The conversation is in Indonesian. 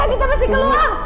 ayo kak kita mesti keluar